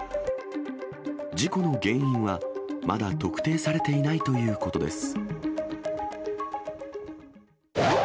事故の原因は、まだ特定されていないということです。